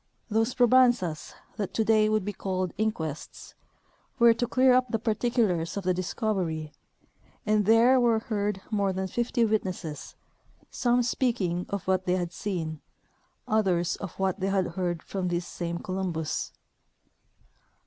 Those probanzas^ that today would be called inquests, were to clear up the par ticulars of the discovery, and there were heard more than fifty witnesses, some speaking of what they had seen, others of what they had heard from this same Columbus.